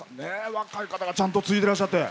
若い方が、ちゃんと継いでらっしゃって。